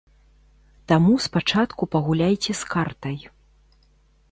Таму спачатку пагуляйце з картай.